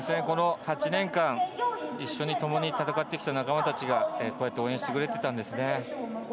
この８年間一緒にともに戦ってきた仲間たちがこうやって応援してくれていたんですね。